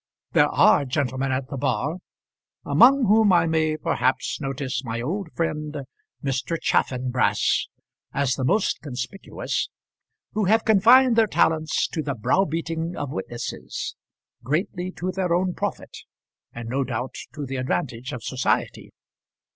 There are gentlemen at the bar, among whom I may perhaps notice my old friend Mr. Chaffanbrass as the most conspicuous, who have confined their talents to the browbeating of witnesses, greatly to their own profit, and no doubt to the advantage of society.